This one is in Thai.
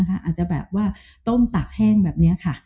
อาจจะแบบว่าต้มตากแห้งแบบนี้ค่ะ